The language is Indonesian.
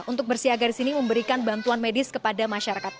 untuk bersiaga di sini memberikan bantuan medis kepada masyarakat